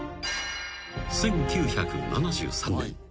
［１９７３年］